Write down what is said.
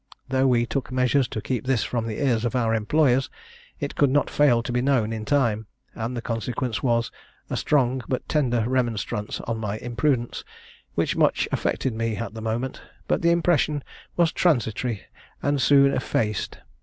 Though we took measures to keep this from the ears of our employers, it could not fail to be known in time; and the consequence was a strong but tender remonstrance on my imprudence, which much affected me at the moment; but the impression was transitory and soon effaced.